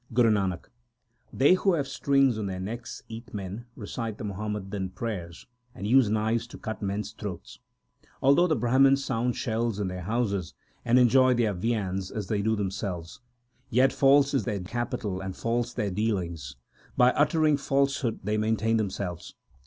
Guru Nanak They who have strings on their necks eat men, recite the Muhammadan prayers, And use knives to cut men s throats. 2 Although the Brahmans sound shells in their houses, And enjoy their viands as they do themselves ; 3 Yet false is their capital and false their dealings. By uttering falsehood they maintain themselves.